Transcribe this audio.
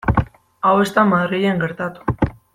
Hau ez da Madrilen gertatu.